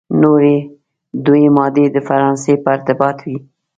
نوري دوې مادې د فرانسې په ارتباط وې.